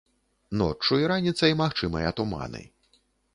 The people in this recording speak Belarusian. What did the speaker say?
Ноччу і раніцай магчымыя туманы.